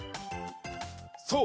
そう！